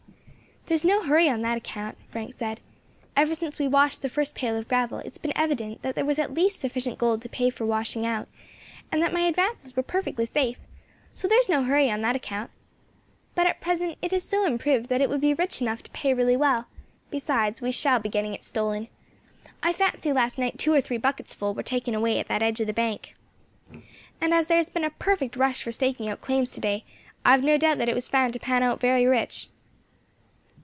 "There is no hurry on that account," Frank said. "Ever since we washed the first pail of gravel it has been evident that there was at least sufficient gold to pay for washing out, and that my advances were perfectly safe; so there is no hurry on that account. But at present it has so improved that it would be rich enough to pay really well; besides, we shall be getting it stolen. I fancy last night two or three buckets full were taken away at that edge of the bank; and as there has been a perfect rush for staking out claims to day, I have no doubt that it was found to pan out very rich."